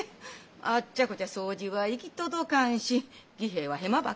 あっちゃこっちゃ掃除は行き届かんし儀平はへまばっかりするし。